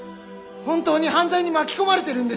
本当に犯罪に巻き込まれてるんですよ！